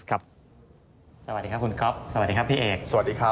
สวัสดีครับคุณครอบสวัสดีครับพี่เอก